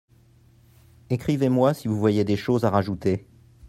Écrivez-moi si vous voyez des choses à rajouter.